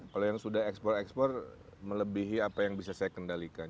kalau yang sudah ekspor ekspor melebihi apa yang bisa saya kendalikan